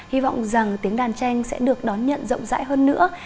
hy vọng rằng tiếng đàn tranh sẽ được đón nhận rộng rãi hơn nữa